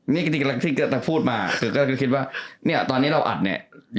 นี่ก็คิดว่าตอนนี้เราอัดเนี่ย